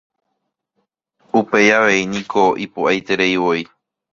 Upéi avei niko ipo'aitereivoi.